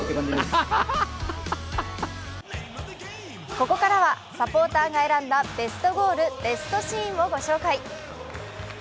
ここからは、サポーターが選んだベストゴール、ベストシーンをご紹介。